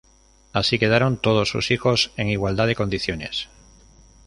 Así quedaron todos sus hijos en igualdad de condiciones.